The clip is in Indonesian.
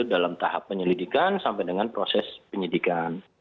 dalam tahap penyelidikan sampai dengan proses penyidikan